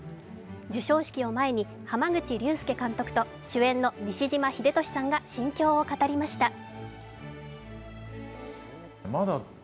授賞式を前に濱口竜介監督と主演の西島秀俊さんが心境を語りました。